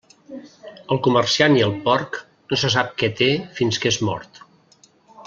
El comerciant i el porc, no se sap què té fins que és mort.